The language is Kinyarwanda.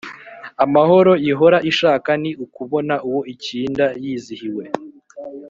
amahoro ihora ishaka ni ukubona uwo ikinda yizihiwe